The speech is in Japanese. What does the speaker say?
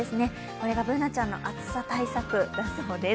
これがＢｏｏｎａちゃんの暑さ対策だそうです。